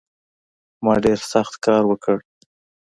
ما ډېر سخت کار وکړ